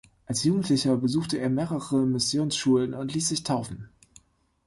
Als Jugendlicher besuchte er mehrere Missionsschulen und ließ sich taufen.